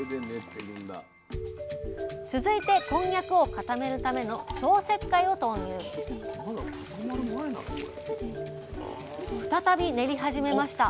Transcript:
続いてこんにゃくを固めるための消石灰を投入再び練り始めました。